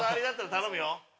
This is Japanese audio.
頼むよ。